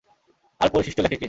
আর পরিশিষ্ট লেখে কে?